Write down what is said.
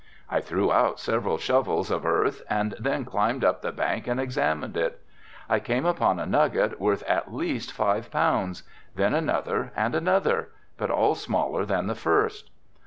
I threw out several shovels of earth and then climbed up the bank and examined it. I came upon a nugget, worth at least five pounds, then another and another, but all smaller than the first.